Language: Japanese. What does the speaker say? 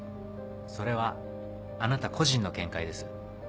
それはあなた個人の見解です。